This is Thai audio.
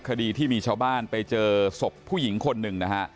คดีที่มีชาวบ้านไปเจอศพผู้หญิงคนหนึ่งนะฮะ